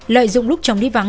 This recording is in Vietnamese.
lợi dụng lúc chồng đi vắng